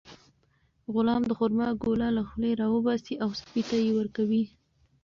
غلام د خورما ګوله له خولې راوباسي او سپي ته یې ورکوي.